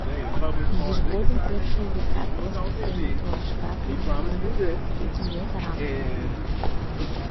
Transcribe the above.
Изиж годым першыл декат коштыктеныт, олашкат намиеныт — пӱтынек арам.